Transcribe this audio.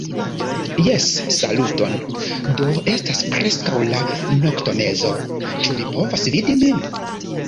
Jes, saluton. Do estas preskaŭ la noktomezo. Ĉu vi povas vidi min?